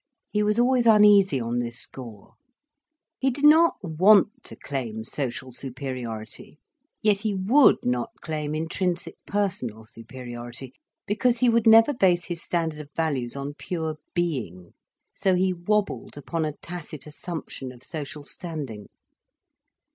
He was always uneasy on this score. He did not want to claim social superiority, yet he would not claim intrinsic personal superiority, because he would never base his standard of values on pure being. So he wobbled upon a tacit assumption of social standing.